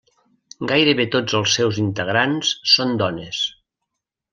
Gairebé tots els seus integrants són dones.